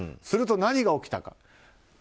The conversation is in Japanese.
すると、何が起きたか。